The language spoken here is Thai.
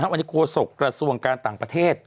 วันนี้โฆษกระทรวงการต่างประเทศ